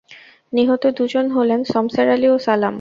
নিহত দুজন হলেন শমসের আলী ও সালাম।